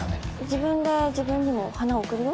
自分で自分にも花贈るよ